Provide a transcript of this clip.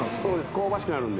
香ばしくなるんで。